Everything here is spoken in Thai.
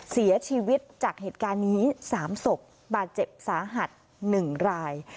เสียชีวิตจากเหตุการณ์นี้๓ศพบาดเจ็บสาหัส๑ราย